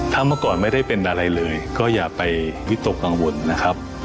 ถ้าเมื่อก่อนไม่ได้เป็นอะไรเลยก็อย่าไปวิตกกังวลนะครับ